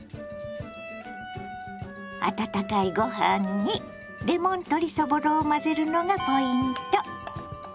温かいご飯にレモン鶏そぼろを混ぜるのがポイント。